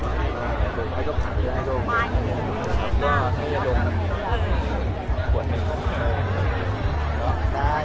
สวัสดีครับสวัสดีครับ